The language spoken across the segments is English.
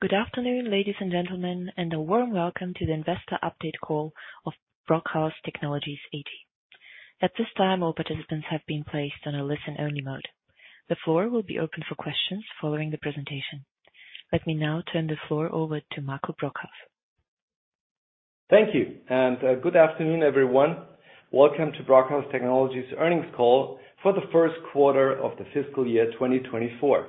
Good afternoon, ladies and gentlemen, and a warm welcome to the Investor Update Call of Brockhaus Technologies AG. At this time, all participants have been placed on a listen-only mode. The floor will be open for questions following the presentation. Let me now turn the floor over to Marco Brockhaus. Thank you, and, good afternoon, everyone. Welcome to Brockhaus Technologies' earnings call for the first quarter of the fiscal year 2024.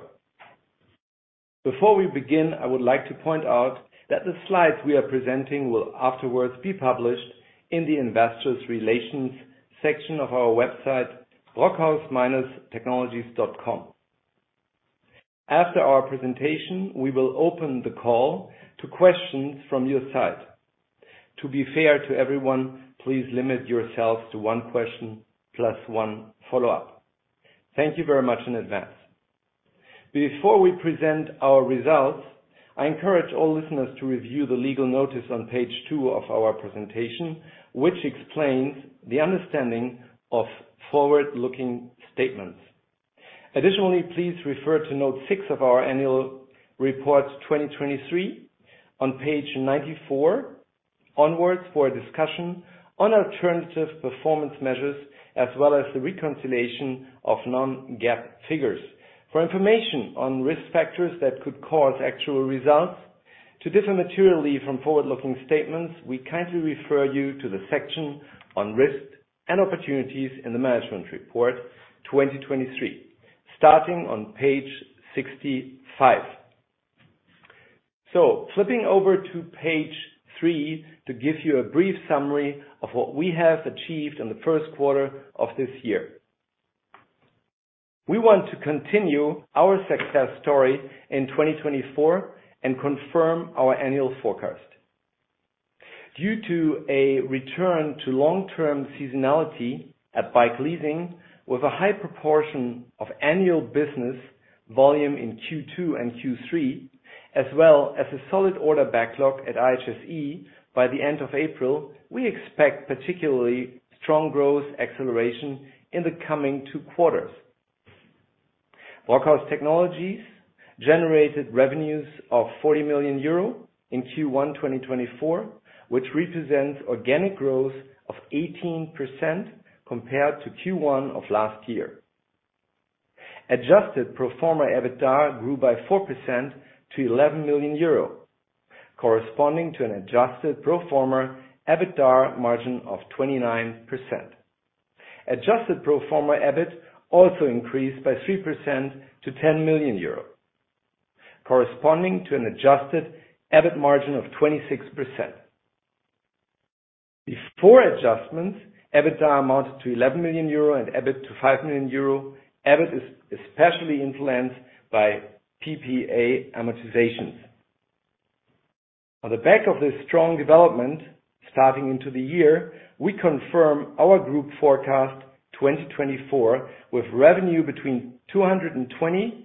Before we begin, I would like to point out that the slides we are presenting will afterwards be published in the Investor Relations section of our website, brockhaus-technologies.com. After our presentation, we will open the call to questions from your side. To be fair to everyone, please limit yourselves to one question, plus one follow-up. Thank you very much in advance. Before we present our results, I encourage all listeners to review the legal notice on page 2 of our presentation, which explains the understanding of forward-looking statements. Additionally, please refer to note 6 of our annual report 2023 on page 94 onwards, for a discussion on alternative performance measures, as well as the reconciliation of non-GAAP figures. For information on risk factors that could cause actual results to differ materially from forward-looking statements, we kindly refer you to the section on Risk and Opportunities in the management report 2023, starting on page 65. So flipping over to page 3, to give you a brief summary of what we have achieved in the first quarter of this year. We want to continue our success story in 2024 and confirm our annual forecast. Due to a return to long-term seasonality at Bikeleasing, with a high proportion of annual business volume in Q2 and Q3, as well as a solid order backlog at IHSE by the end of April, we expect particularly strong growth acceleration in the coming two quarters. Brockhaus Technologies generated revenues of 40 million euro in Q1 2024, which represents organic growth of 18% compared to Q1 of last year. Adjusted pro forma EBITDA grew by 4% to 11 million euro, corresponding to an adjusted pro forma EBITDA margin of 29%. Adjusted pro forma EBIT also increased by 3% to 10 million euros, corresponding to an adjusted EBIT margin of 26%. Before adjustments, EBITDA amounted to 11 million euro and EBIT to 5 million euro. EBIT is especially influenced by PPA amortizations. On the back of this strong development, starting into the year, we confirm our group forecast 2024, with revenue between 220 million euro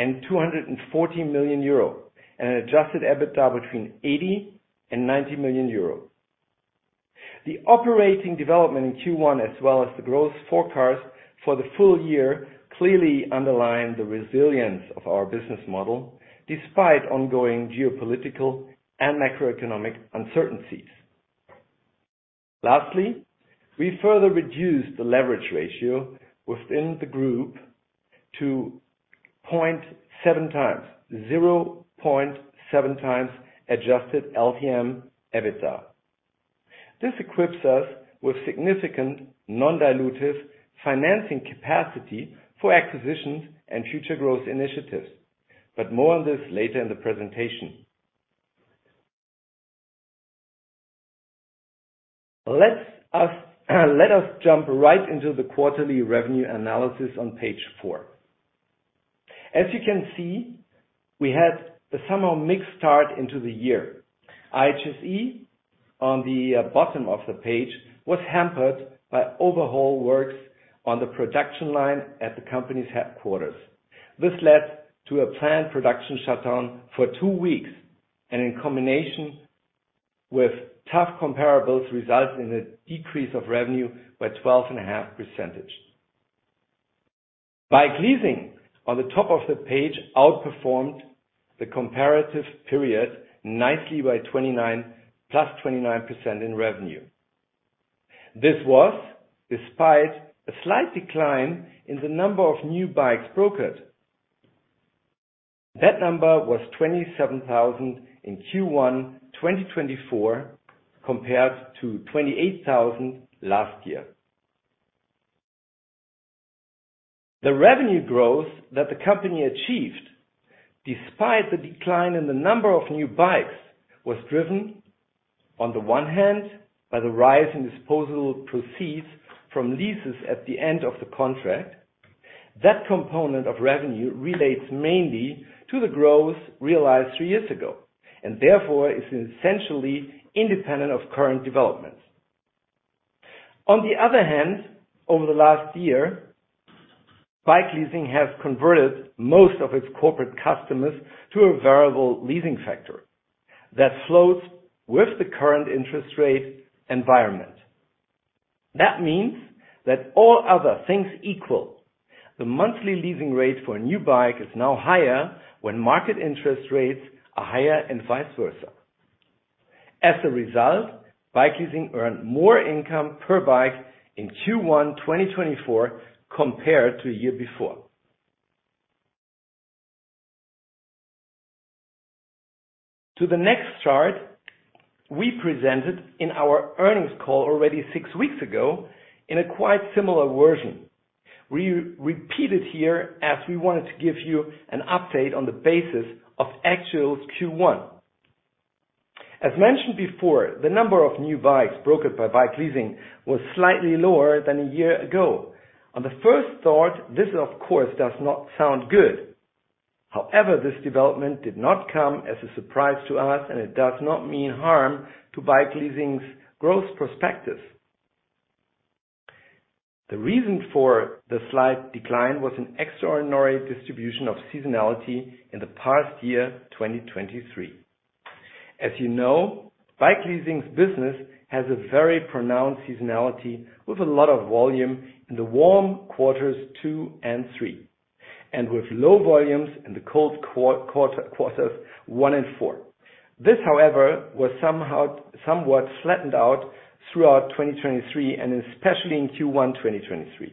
and 240 million euro, and an adjusted EBITDA between 80 million and 90 million euro. The operating development in Q1, as well as the growth forecast for the full year, clearly underline the resilience of our business model, despite ongoing geopolitical and macroeconomic uncertainties. Lastly, we further reduced the leverage ratio within the group to 0.7x, 0.7x adjusted LTM EBITDA. This equips us with significant non-dilutive financing capacity for acquisitions and future growth initiatives. But more on this later in the presentation. Let us jump right into the quarterly revenue analysis on page 4. As you can see, we had a somehow mixed start into the year. IHSE, on the bottom of the page, was hampered by overhaul works on the production line at the company's headquarters. This led to a planned production shutdown for two weeks, and in combination with tough comparables, resulted in a decrease of revenue by 12.5%. Bikeleasing, on the top of the page, outperformed the comparative period nicely by 29, +29% in revenue. This was despite a slight decline in the number of new bikes brokered. That number was 27,000 in Q1 2024, compared to 28,000 last year. The revenue growth that the company achieved, despite the decline in the number of new bikes, was driven, on the one hand, by the rise in disposal proceeds from leases at the end of the contract. That component of revenue relates mainly to the growth realized three years ago, and therefore, is essentially independent of current developments. On the other hand, over the last year, Bikeleasing has converted most of its corporate customers to a variable leasing factor that floats with the current interest rate environment. That means that all other things equal, the monthly leasing rate for a new bike is now higher when market interest rates are higher, and vice versa. As a result, Bikeleasing earned more income per bike in Q1 2024, compared to a year before. To the next chart, we presented in our earnings call already six weeks ago in a quite similar version. We repeat it here, as we wanted to give you an update on the basis of actual Q1. As mentioned before, the number of new bikes brokered by Bikeleasing was slightly lower than a year ago. On the first thought, this of course, does not sound good. However, this development did not come as a surprise to us, and it does not mean harm to Bikeleasing's growth prospectus. The reason for the slight decline was an extraordinary distribution of seasonality in the past year, 2023. As you know, Bikeleasing's business has a very pronounced seasonality, with a lot of volume in the warm quarters 2 and 3, and with low volumes in the cold quarters 1 and 4. This, however, was somehow, somewhat flattened out throughout 2023, and especially in Q1 2023.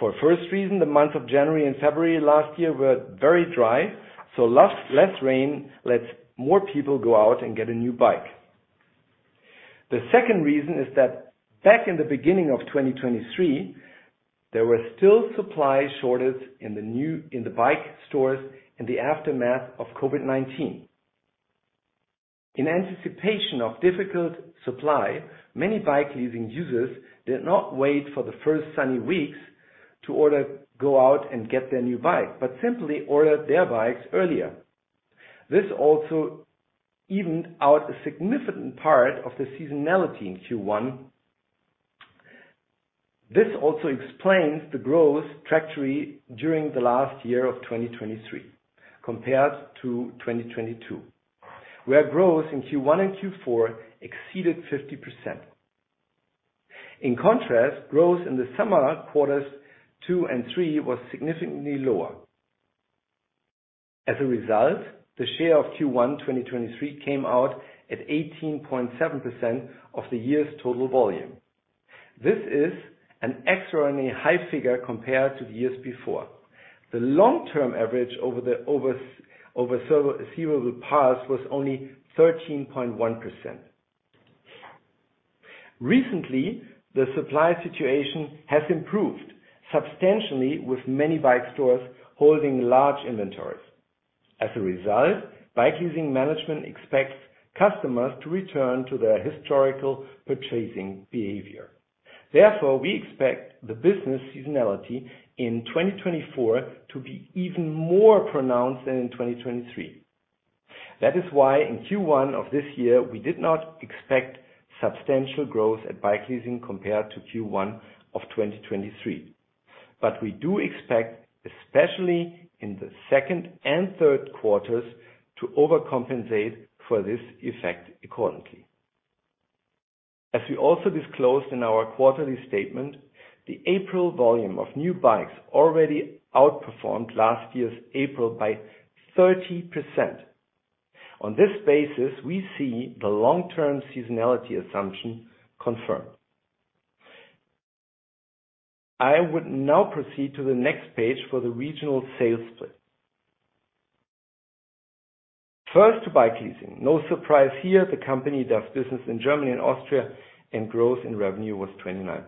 For first reason, the month of January and February last year were very dry, so less rain lets more people go out and get a new bike. The second reason is that back in the beginning of 2023, there were still supply shortage in the bike stores in the aftermath of COVID-19. In anticipation of difficult supply, many Bikeleasing users did not wait for the first sunny weeks to order, go out and get their new bike, but simply ordered their bikes earlier. This also evened out a significant part of the seasonality in Q1. This also explains the growth trajectory during the last year of 2023 compared to 2022, where growth in Q1 and Q4 exceeded 50%. In contrast, growth in the summer quarters Q2 and Q3 was significantly lower. As a result, the share of Q1 2023 came out at 18.7% of the year's total volume. This is an extraordinarily high figure compared to the years before. The long-term average over the past several was only 13.1%. Recently, the supply situation has improved substantially, with many bike stores holding large inventories. As a result, Bikeleasing management expects customers to return to their historical purchasing behavior. Therefore, we expect the business seasonality in 2024 to be even more pronounced than in 2023. That is why in Q1 of this year, we did not expect substantial growth at Bikeleasing compared to Q1 of 2023. But we do expect, especially in the second and third quarters, to overcompensate for this effect accordingly. As we also disclosed in our quarterly statement, the April volume of new bikes already outperformed last year's April by 30%. On this basis, we see the long-term seasonality assumption confirmed. I would now proceed to the next page for the regional sales split. First, to Bikeleasing. No surprise here, the company does business in Germany and Austria, and growth in revenue was 29%.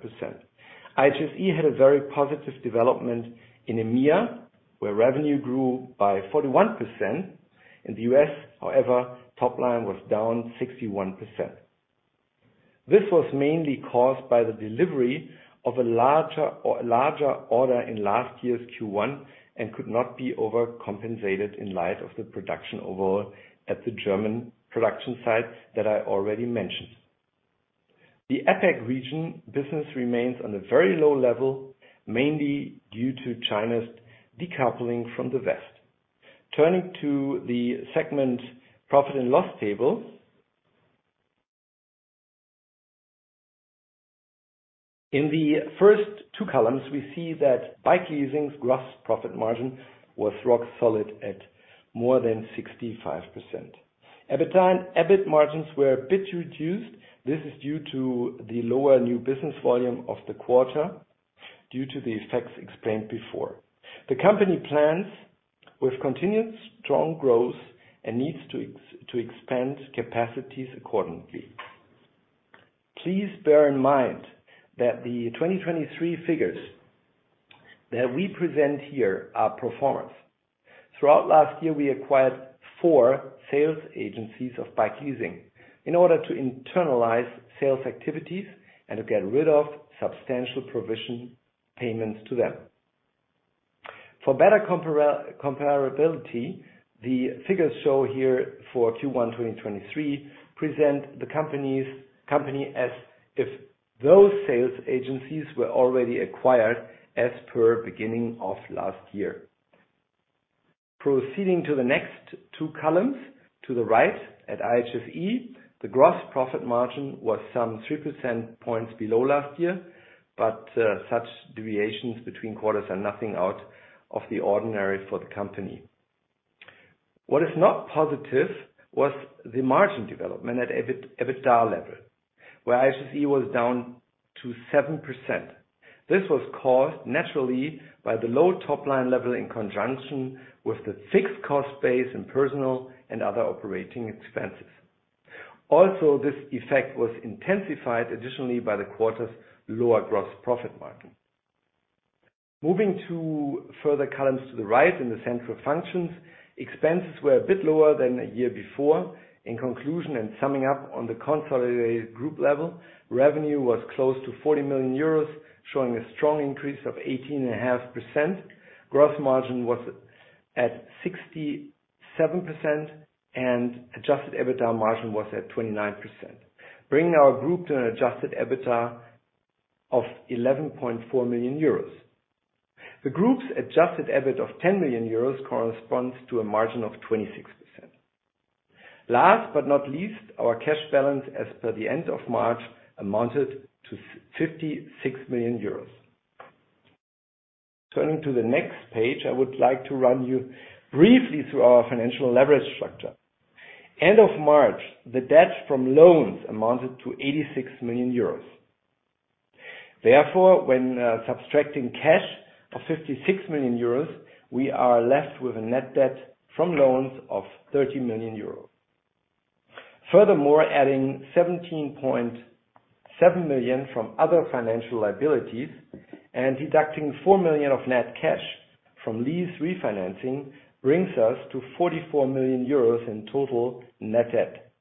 IHSE had a very positive development in EMEA, where revenue grew by 41%. In the U.S., however, top line was down 61%. This was mainly caused by the delivery of a larger order in last year's Q1, and could not be overcompensated in light of the production overall at the German production sites that I already mentioned. The APAC region business remains on a very low level, mainly due to China's decoupling from the West. Turning to the segment profit and loss table. In the first two columns, we see that Bikeleasing's gross profit margin was rock solid at more than 65%. EBITDA and EBIT margins were a bit reduced. This is due to the lower new business volume of the quarter due to the effects explained before. The company plans with continued strong growth and needs to expand capacities accordingly. Please bear in mind that the 2023 figures that we present here are performance. Throughout last year, we acquired four sales agencies of Bikeleasing in order to internalize sales activities and to get rid of substantial provision payments to them. For better comparability, the figures shown here for Q1, 2023, present the company as if those sales agencies were already acquired as per beginning of last year. Proceeding to the next two columns, to the right, at IHSE, the gross profit margin was some three percentage points below last year, but such deviations between quarters are nothing out of the ordinary for the company. What is not positive was the margin development at EBIT, EBITDA level, where IHSE was down to 7%. This was caused naturally by the low top line level in conjunction with the fixed cost base in personal and other operating expenses. Also, this effect was intensified additionally by the quarter's lower gross profit margin. Moving to further columns to the right in the central functions, expenses were a bit lower than a year before. In conclusion, and summing up on the consolidated group level, revenue was close to 40 million euros, showing a strong increase of 18.5%. Gross margin was at 67% and Adjusted EBITDA margin was at 29%, bringing our group to an Adjusted EBITDA of 11.4 million euros. The group's Adjusted EBITDA of 10 million euros corresponds to a margin of 26%. Last but not least, our cash balance as per the end of March amounted to 56 million euros. Turning to the next page, I would like to run you briefly through our financial leverage structure. End of March, the debt from loans amounted to 86 million euros. Therefore, when subtracting cash of 56 million euros, we are left with a net debt from loans of 30 million euros. Furthermore, adding 17.7 million from other financial liabilities and deducting 4 million of net cash from lease refinancing, brings us to 44 million euros in total net debt.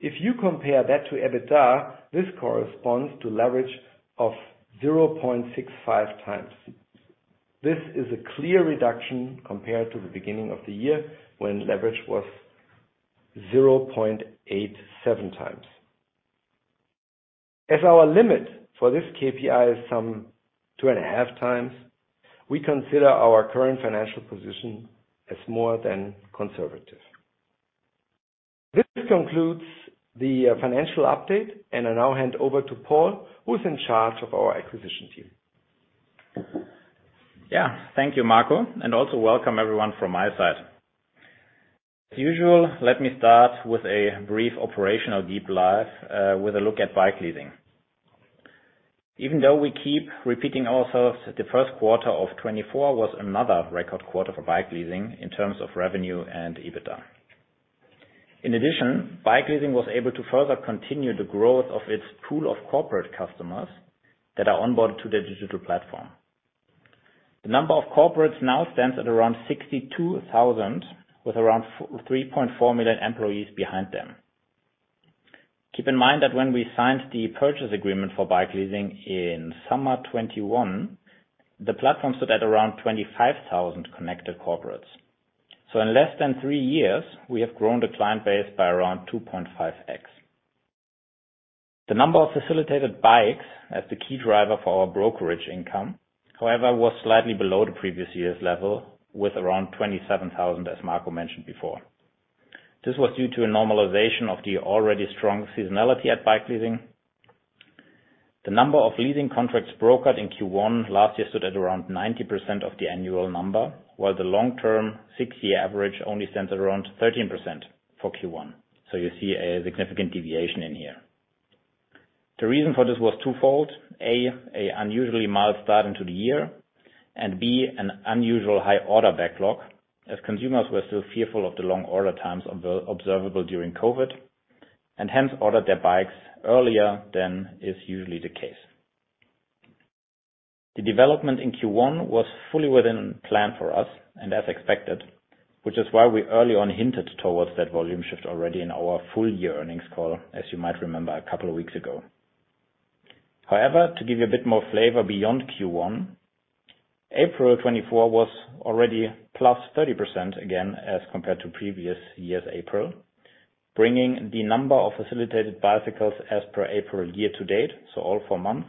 If you compare that to EBITDA, this corresponds to leverage of 0.65x. This is a clear reduction compared to the beginning of the year, when leverage was 0.87x. As our limit for this KPI is some 2.5x, we consider our current financial position as more than conservative. This concludes the financial update, and I now hand over to Paul, who's in charge of our acquisition team. Yeah. Thank you, Marco, and also welcome everyone from my side. As usual, let me start with a brief operational deep dive with a look at Bikeleasing. Even though we keep repeating ourselves, the first quarter of 2024 was another record quarter for Bikeleasing in terms of revenue and EBITDA. In addition, Bikeleasing was able to further continue the growth of its pool of corporate customers that are onboarded to their digital platform. The number of corporates now stands at around 62,000, with around 3.4 million employees behind them. Keep in mind that when we signed the purchase agreement for Bikeleasing in summer 2021, the platform stood at around 25,000 connected corporates. So in less than three years, we have grown the client base by around 2.5x. The number of facilitated bikes as the key driver for our brokerage income, however, was slightly below the previous year's level, with around 27,000, as Marco mentioned before. This was due to a normalization of the already strong seasonality at Bikeleasing. The number of leasing contracts brokered in Q1 last year stood at around 90% of the annual number, while the long-term six-year average only stands at around 13% for Q1. So you see a significant deviation in here. The reason for this was twofold: A, an unusually mild start into the year, and B, an unusually high order backlog, as consumers were still fearful of the long order times observable during COVID, and hence ordered their bikes earlier than is usually the case. The development in Q1 was fully within plan for us and as expected, which is why we early on hinted towards that volume shift already in our full year earnings call, as you might remember, a couple of weeks ago. However, to give you a bit more flavor beyond Q1, April 2024 was already +30%, again, as compared to previous year's April, bringing the number of facilitated bicycles as per April year to date, so all four months,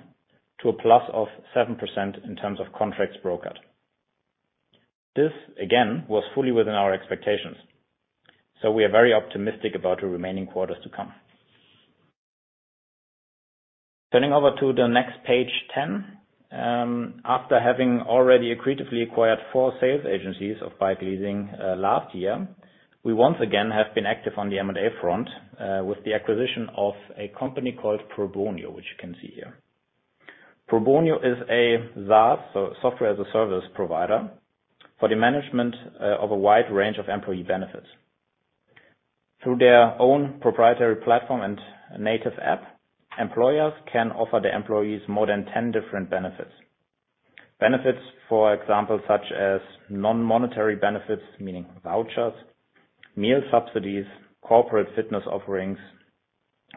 to a +7% in terms of contracts brokered. This, again, was fully within our expectations, so we are very optimistic about the remaining quarters to come. Turning over to the next page 10. After having already accretively acquired four sales agencies of Bikeleasing last year, we once again have been active on the M&A front with the acquisition of a company called Probonio, which you can see here. Probonio is a SaaS, so software as a service provider, for the management of a wide range of employee benefits. Through their own proprietary platform and native app, employers can offer their employees more than 10 different benefits. Benefits, for example, such as non-monetary benefits, meaning vouchers, meal subsidies, corporate fitness offerings,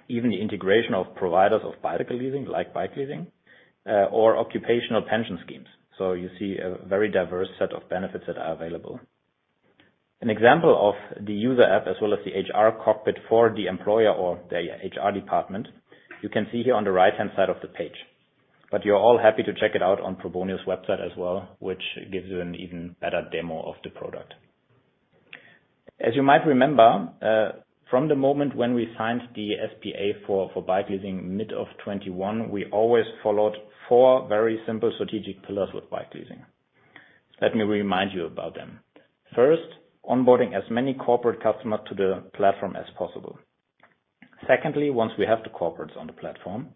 even the integration of providers of bicycle leasing, like Bikeleasing, or occupational pension schemes. So you see a very diverse set of benefits that are available. An example of the user app, as well as the HR Cockpit for the employer or the HR department, you can see here on the right-hand side of the page. But you're all happy to check it out on Probonio's website as well, which gives you an even better demo of the product. As you might remember, from the moment when we signed the SPA for Bikeleasing mid of 2021, we always followed four very simple strategic pillars with Bikeleasing. Let me remind you about them. First, onboarding as many corporate customers to the platform as possible. Secondly, once we have the corporates on the platform,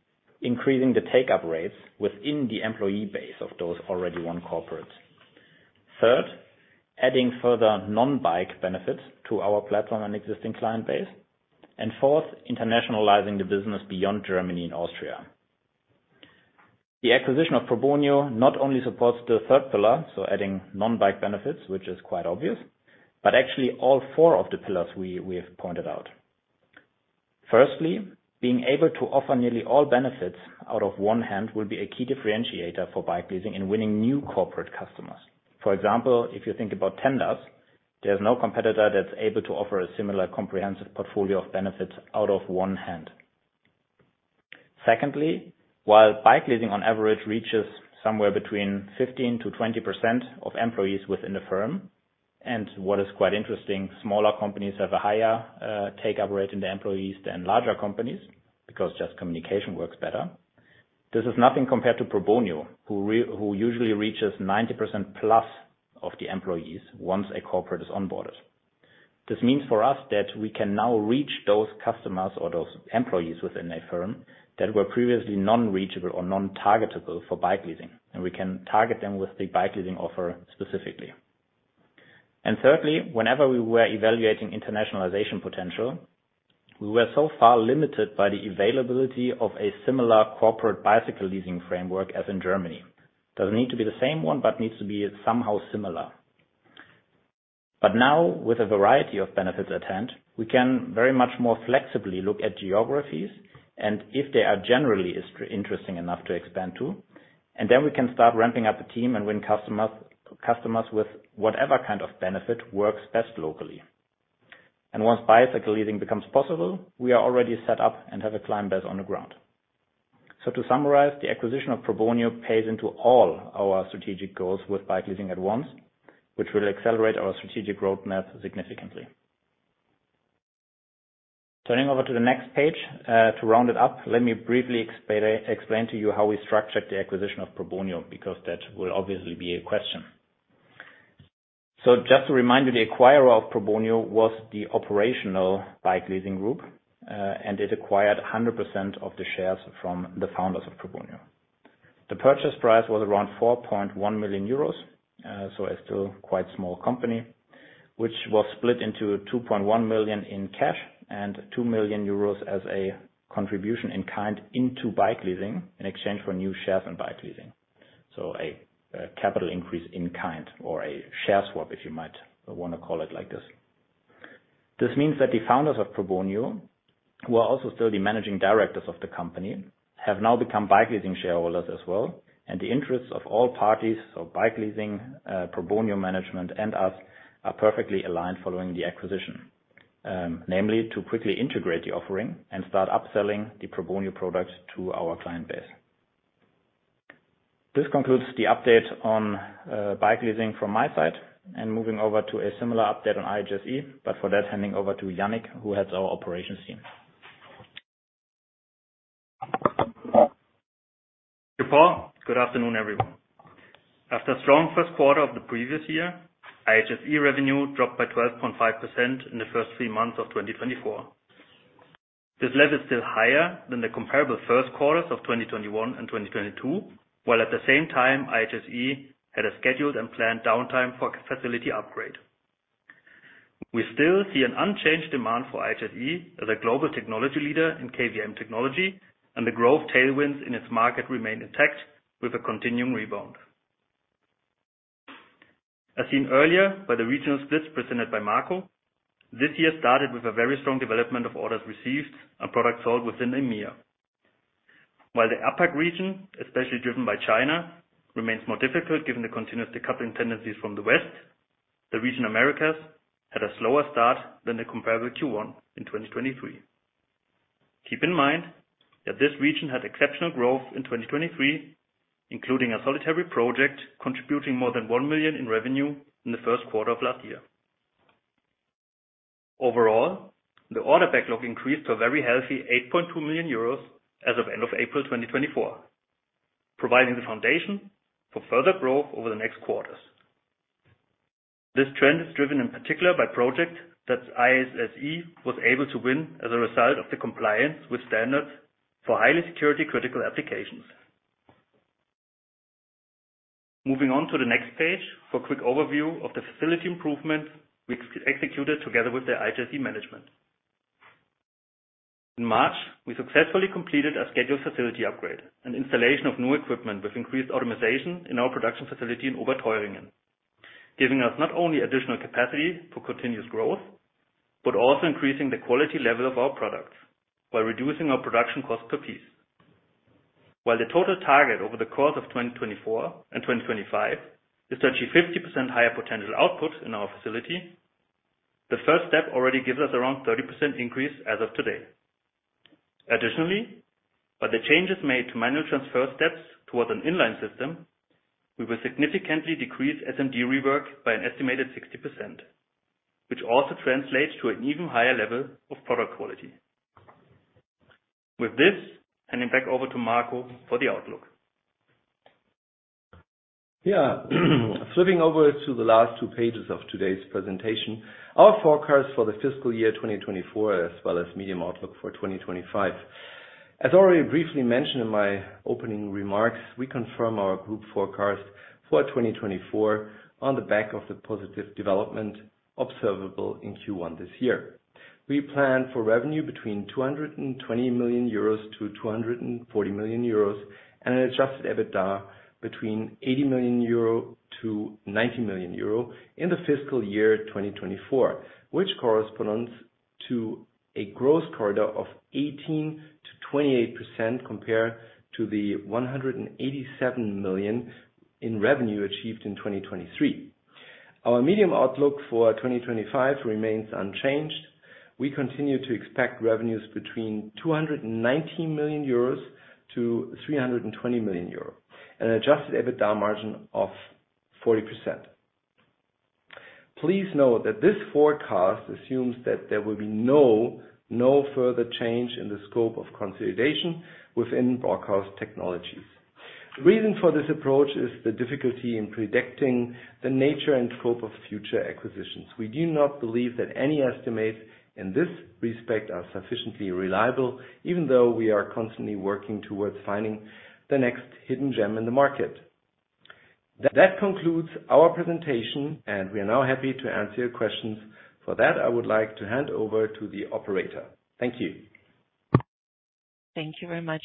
increasing the take-up rates within the employee base of those already won corporates. Third, adding further non-bike benefits to our platform and existing client base. And fourth, internationalizing the business beyond Germany and Austria. The acquisition of Probonio not only supports the third pillar, so adding non-bike benefits, which is quite obvious, but actually all four of the pillars we have pointed out. Firstly, being able to offer nearly all benefits out of one hand will be a key differentiator for Bikeleasing and winning new corporate customers. For example, if you think about tenders, there's no competitor that's able to offer a similar comprehensive portfolio of benefits out of one hand. Secondly, while Bikeleasing on average reaches somewhere between 15%-20% of employees within the firm, and what is quite interesting, smaller companies have a higher take-up rate in their employees than larger companies, because just communication works better. This is nothing compared to Probonio, who usually reaches 90%+ of the employees once a corporate is onboarded. This means for us that we can now reach those customers or those employees within a firm that were previously non-reachable or non-targetable for Bikeleasing, and we can target them with the Bikeleasing offer specifically. And thirdly, whenever we were evaluating internationalization potential, we were so far limited by the availability of a similar corporate bicycle leasing framework as in Germany. Doesn't need to be the same one, but needs to be somehow similar. But now, with a variety of benefits at hand, we can very much more flexibly look at geographies and if they are generally interesting enough to expand to, and then we can start ramping up the team and win customers, customers with whatever kind of benefit works best locally. And once bicycle leasing becomes possible, we are already set up and have a client base on the ground. So to summarize, the acquisition of Probonio pays into all our strategic goals with Bikeleasing at once, which will accelerate our strategic roadmap significantly. Turning over to the next page, to round it up, let me briefly explain to you how we structured the acquisition of Probonio, because that will obviously be a question. So just to remind you, the acquirer of Probonio was the operational Bikeleasing group, and it acquired 100% of the shares from the founders of Probonio. The purchase price was around 4.1 million euros, so it's still quite small company, which was split into 2.1 million in cash and 2 million euros as a contribution in kind into Bikeleasing in exchange for new shares in Bikeleasing. So a capital increase in kind or a share swap, if you might wanna call it like this. This means that the founders of Probonio, who are also still the managing directors of the company, have now become Bikeleasing shareholders as well, and the interests of all parties, so Bikeleasing, Probonio management and us, are perfectly aligned following the acquisition. Namely, to quickly integrate the offering and start upselling the Probonio products to our client base. This concludes the update on Bikeleasing from my side, and moving over to a similar update on IHSE, but for that, handing over to Yannick, who heads our operations team. Good afternoon, everyone. After a strong first quarter of the previous year, IHSE revenue dropped by 12.5% in the first three months of 2024. This level is still higher than the comparable first quarters of 2021 and 2022, while at the same time, IHSE had a scheduled and planned downtime for facility upgrade. We still see an unchanged demand for IHSE as a global technology leader in KVM technology, and the growth tailwinds in its market remain intact with a continuing rebound. As seen earlier by the regional splits presented by Marco, this year started with a very strong development of orders received and products sold within EMEA. While the APAC region, especially driven by China, remains more difficult given the continuous decoupling tendencies from the West, the region Americas had a slower start than the comparable Q1 in 2023. Keep in mind that this region had exceptional growth in 2023, including a solitary project contributing more than 1 million in revenue in the first quarter of last year. Overall, the order backlog increased to a very healthy 8.2 million euros as of end of April 2024, providing the foundation for further growth over the next quarters. This trend is driven in particular by project that IHSE was able to win as a result of the compliance with standards for highly security-critical applications. Moving on to the next page for a quick overview of the facility improvements we executed together with the IHSE management. In March, we successfully completed a scheduled facility upgrade and installation of new equipment with increased automation in our production facility in Oberteuringen, giving us not only additional capacity for continuous growth, but also increasing the quality level of our products by reducing our production cost per piece. While the total target over the course of 2024 and 2025 is to achieve 50% higher potential output in our facility. The first step already gives us around 30% increase as of today. Additionally, by the changes made to manual transfer steps towards an inline system, we will significantly decrease SMD rework by an estimated 60%, which also translates to an even higher level of product quality. With this, handing back over to Marco for the outlook. Yeah. Flipping over to the last two pages of today's presentation, our forecast for the fiscal year 2024, as well as medium outlook for 2025. As already briefly mentioned in my opening remarks, we confirm our group forecast for 2024 on the back of the positive development observable in Q1 this year. We plan for revenue between 220 million euros to 240 million euros, and an adjusted EBITDA between 80 million euro to 90 million euro in the fiscal year 2024. Which corresponds to a growth corridor of 18%-28% compared to the 187 million in revenue achieved in 2023. Our medium outlook for 2025 remains unchanged. We continue to expect revenues between 219 million euros and 320 million euros, and an adjusted EBITDA margin of 40%. Please note that this forecast assumes that there will be no further change in the scope of consolidation within Brockhaus Technologies. The reason for this approach is the difficulty in predicting the nature and scope of future acquisitions. We do not believe that any estimates in this respect are sufficiently reliable, even though we are constantly working towards finding the next hidden gem in the market. That concludes our presentation, and we are now happy to answer your questions. For that, I would like to hand over to the operator. Thank you. Thank you very much.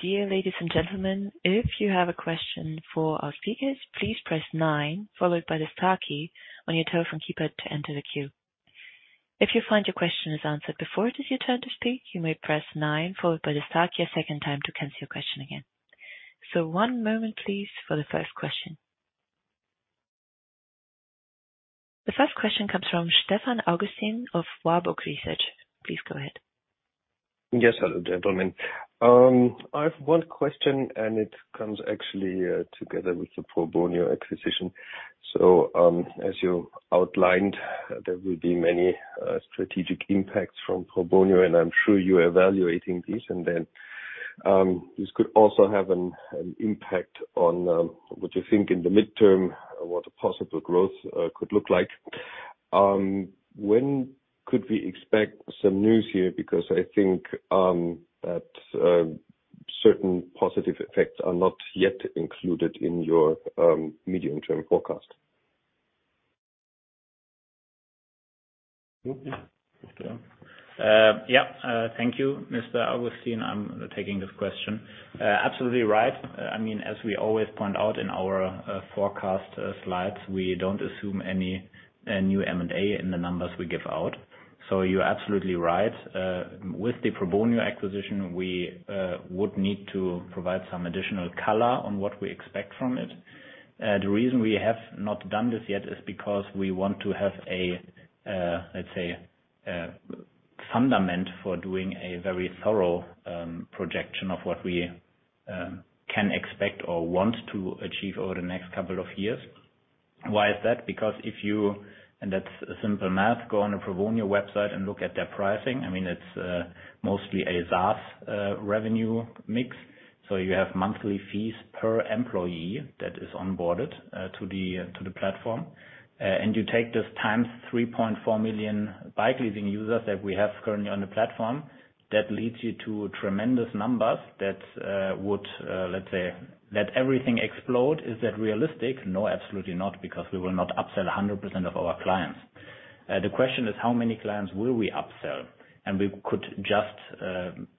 Dear ladies and gentlemen, if you have a question for our speakers, please press nine followed by the star key on your telephone keypad to enter the queue. If you find your question is answered before it is your turn to speak, you may press nine followed by the star key a second time to cancel your question again. So one moment, please, for the first question. The first question comes from Stefan Augustin of Warburg Research. Please go ahead. Yes, hello, gentlemen. I have one question, and it comes actually together with the Probonio acquisition. So, as you outlined, there will be many strategic impacts from Probonio, and I'm sure you're evaluating this. And then, this could also have an impact on what you think in the midterm, what a possible growth could look like. When could we expect some news here? Because I think that certain positive effects are not yet included in your medium-term forecast. Yeah, thank you, Mr. Augustin. I'm taking this question. Absolutely right. I mean, as we always point out in our forecast slides, we don't assume any new M&A in the numbers we give out. So you're absolutely right. With the Probonio acquisition, we would need to provide some additional color on what we expect from it. The reason we have not done this yet is because we want to have a, let's say, a fundament for doing a very thorough projection of what we can expect or want to achieve over the next couple of years. Why is that? Because if you, and that's simple math, go on a Probonio website and look at their pricing. I mean, it's mostly a SaaS revenue mix, so you have monthly fees per employee that is onboarded to the, to the platform. And you take this times 3.4 million Bikeleasing users that we have currently on the platform. That leads you to tremendous numbers that would, let's say, let everything explode. Is that realistic? No, absolutely not, because we will not upsell 100% of our clients. The question is: how many clients will we upsell? And we could just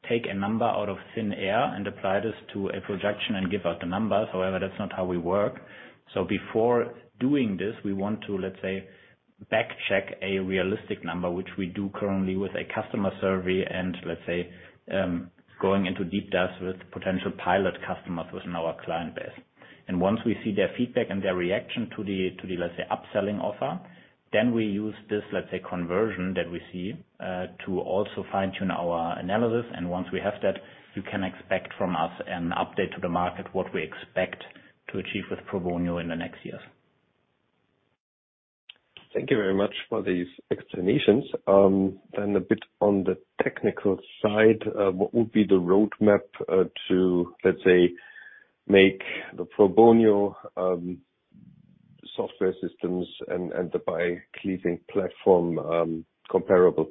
take a number out of thin air and apply this to a projection and give out the numbers. However, that's not how we work. So before doing this, we want to, let's say, back check a realistic number, which we do currently with a customer survey, and let's say, going into deep dive with potential pilot customers within our client base. Once we see their feedback and their reaction to the, to the, let's say, upselling offer, then we use this, let's say, conversion that we see, to also fine-tune our analysis. Once we have that, you can expect from us an update to the market, what we expect to achieve with Probonio in the next years. Thank you very much for these explanations. Then a bit on the technical side, what would be the roadmap to, let's say, make the Probonio software systems and the Bikeleasing platform comparable?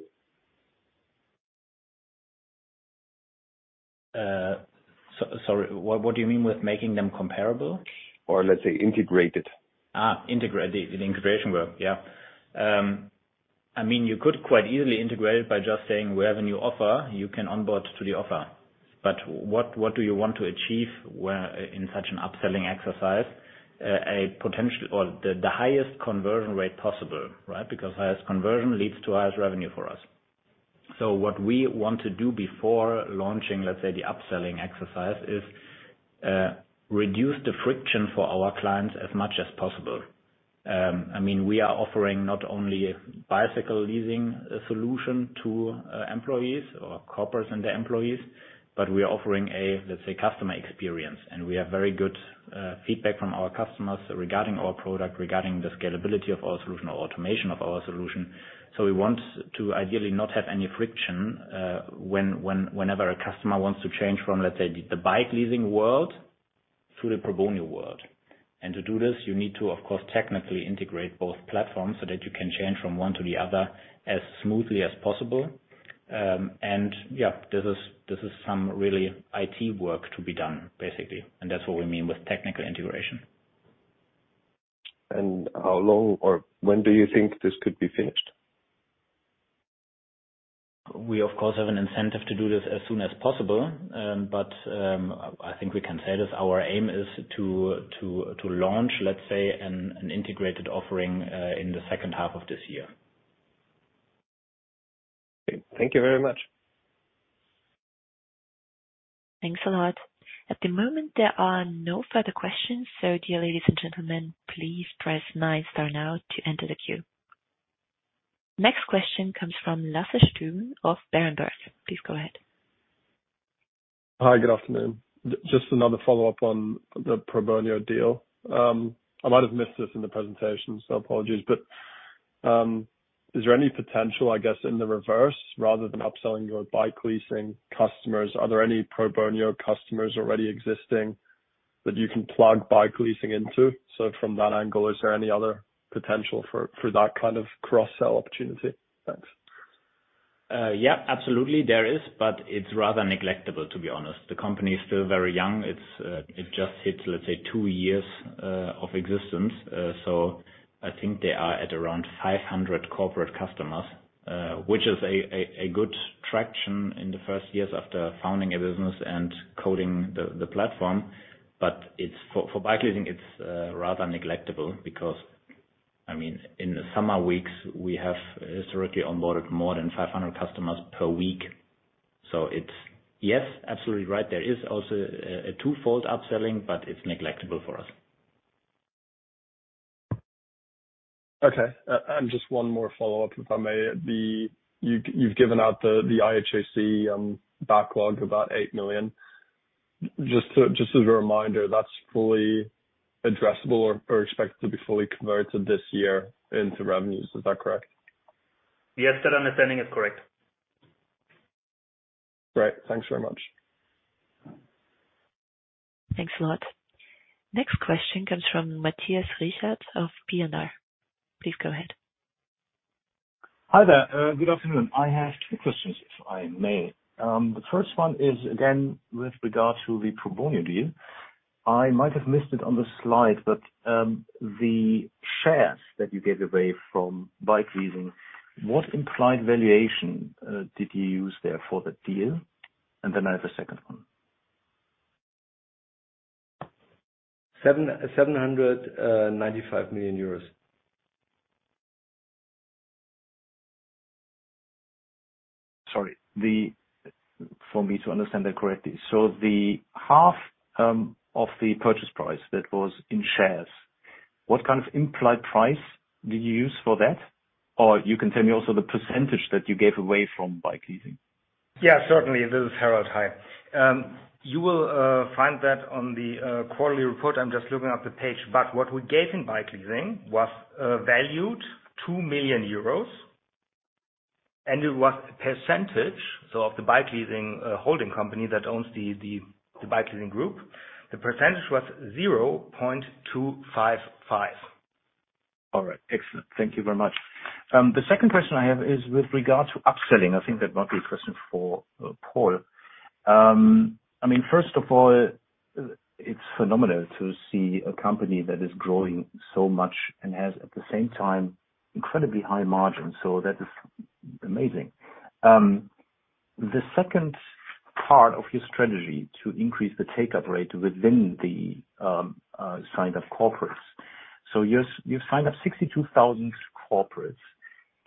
Sorry, what, what do you mean with making them comparable? Or let's say integrated. Ah, integrated. The integration work. Yeah. I mean, you could quite easily integrate it by just saying, we have a new offer, you can onboard to the offer. But what, what do you want to achieve where, in such an upselling exercise? A potential or the, the highest conversion rate possible, right? Because highest conversion leads to highest revenue for us.... So what we want to do before launching, let's say, the upselling exercise, is, reduce the friction for our clients as much as possible. I mean, we are offering not only a bicycle leasing solution to, employees or corporates and their employees, but we are offering a, let's say, customer experience. And we have very good, feedback from our customers regarding our product, regarding the scalability of our solution, or automation of our solution. So we want to ideally not have any friction whenever a customer wants to change from, let's say, the Bikeleasing world to the Probonio world. To do this, you need to, of course, technically integrate both platforms so that you can change from one to the other as smoothly as possible. This is some really IT work to be done, basically, and that's what we mean with technical integration. How long or when do you think this could be finished? We, of course, have an incentive to do this as soon as possible. But I think we can say this, our aim is to launch, let's say, an integrated offering in the second half of this year. Thank you very much. Thanks a lot. At the moment, there are no further questions, so dear ladies and gentlemen, please press nine star now to enter the queue. Next question comes from Lasse Stüben of Berenberg. Please go ahead. Hi, good afternoon. Just another follow-up on the Probonio deal. I might have missed this in the presentation, so apologies, but, is there any potential, I guess, in the reverse, rather than upselling your Bikeleasing customers, are there any Probonio customers already existing that you can plug Bikeleasing into? So from that angle, is there any other potential for that kind of cross-sell opportunity? Thanks. Yeah, absolutely there is, but it's rather neglectable, to be honest. The company is still very young. It's, it just hits, let's say, two years of existence. So I think they are at around 500 corporate customers, which is a good traction in the first years after founding a business and coding the platform. But it's for Bikeleasing, it's rather neglectable because, I mean, in the summer weeks, we have historically onboarded more than 500 customers per week. So it's, yes, absolutely right, there is also a twofold upselling, but it's neglectable for us. Okay. And just one more follow-up, if I may. You've given out the IHSE backlog of about 8 million. Just as a reminder, that's fully addressable or expected to be fully converted this year into revenues. Is that correct? Yes, that understanding is correct. Great. Thanks very much. Thanks a lot. Next question comes from Matthias Riechert of P&R. Please go ahead. Hi there. Good afternoon. I have two questions, if I may. The first one is, again, with regard to the Probonio deal. I might have missed it on the slide, but, the shares that you gave away from Bikeleasing, what implied valuation, did you use there for the deal? And then I have a second one. EUR 7,795 million. Sorry, for me to understand that correctly. So the half of the purchase price that was in shares, what kind of implied price did you use for that? Or you can tell me also the percentage that you gave away from Bikeleasing. Yeah, certainly. This is Harold, hi. You will find that on the quarterly report. I'm just looking at the page, but what we gave in Bikeleasing was valued 2 million euros, and it was a percentage, so of the Bikeleasing holding company that owns the Bikeleasing group, the percentage was 0.255%. All right. Excellent. Thank you very much. The second question I have is with regard to upselling. I think that might be a question for Paul. I mean, first of all, it's phenomenal to see a company that is growing so much and has, at the same time, incredibly high margins. So that is amazing. The second part of your strategy to increase the take-up rate within the signed-up corporates. So you've signed up 62,000 corporates.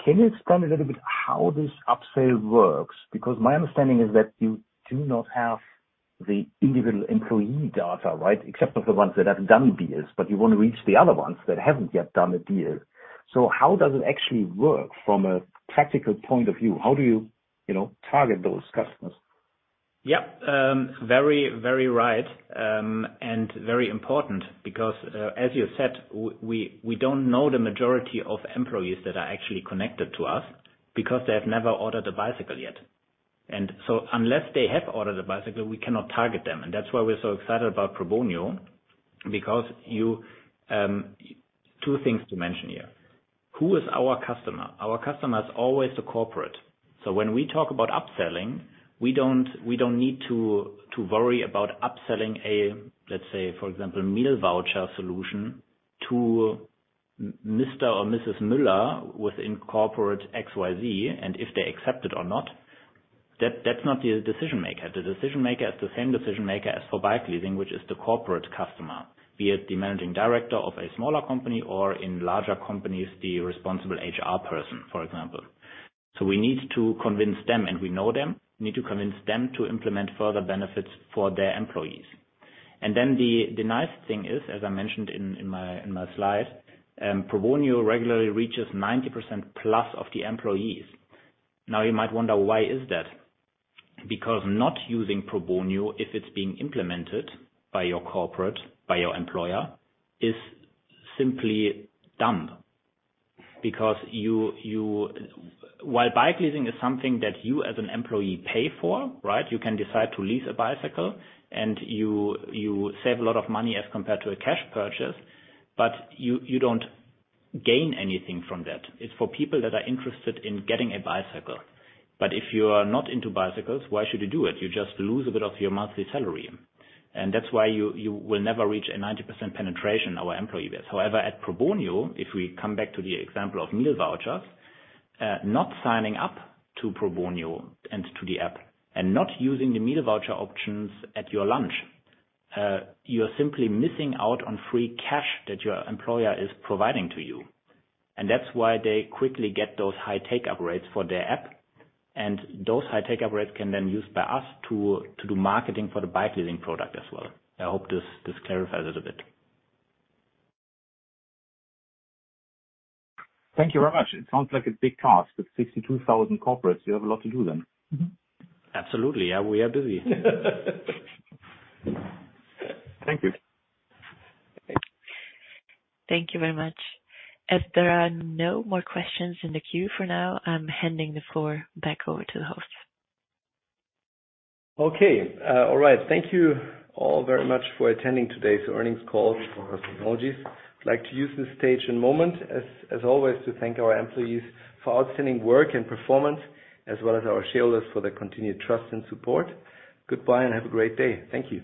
Can you explain a little bit how this upsale works? Because my understanding is that you do not have the individual employee data, right? Except for the ones that have done deals, but you want to reach the other ones that haven't yet done a deal. So how does it actually work from a practical point of view? How do you, you know, target those customers? Yeah. Very, very right, and very important because, as you said, we don't know the majority of employees that are actually connected to us because they have never ordered a bicycle yet. And so unless they have ordered a bicycle, we cannot target them. And that's why we're so excited about Probonio, because you, two things to mention here: Who is our customer? Our customer is always the corporate. So when we talk about upselling, we don't need to worry about upselling a, let's say, for example, meal voucher solution to Mr. or Mrs. Miller within corporate XYZ, and if they accept it or not. That's not the decision maker. The decision maker is the same decision maker as for Bikeleasing, which is the corporate customer, be it the managing director of a smaller company or in larger companies, the responsible HR person, for example. So we need to convince them, and we know them. We need to convince them to implement further benefits for their employees. And then the nice thing is, as I mentioned in my slide, Probonio regularly reaches 90%+ of the employees. Now, you might wonder, why is that? Because not using Probonio, if it's being implemented by your corporate, by your employer, is simply dumb. Because while Bikeleasing is something that you as an employee pay for, right? You can decide to lease a bicycle, and you save a lot of money as compared to a cash purchase, but you don't gain anything from that. It's for people that are interested in getting a bicycle. But if you are not into bicycles, why should you do it? You just lose a bit of your monthly salary. And that's why you will never reach a 90% penetration our employee base. However, at Probonio, if we come back to the example of meal vouchers, not signing up to Probonio and to the app, and not using the meal voucher options at your lunch, you're simply missing out on free cash that your employer is providing to you. That's why they quickly get those high take-up rates for their app, and those high take-up rates can then be used by us to, to do marketing for the Bikeleasing product as well. I hope this, this clarifies it a bit. Thank you very much. It sounds like a big task. With 62,000 corporates, you have a lot to do then. Mm-hmm. Absolutely, yeah, we are busy. Thank you. Thank you very much. As there are no more questions in the queue for now, I'm handing the floor back over to the host. Okay, all right. Thank you all very much for attending today's earnings call for Brockhaus Technologies. I'd like to use this stage and moment, as, as always, to thank our employees for outstanding work and performance, as well as our shareholders for their continued trust and support. Goodbye, and have a great day. Thank you.